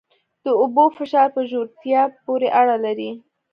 د اوبو فشار په ژورتیا پورې اړه لري.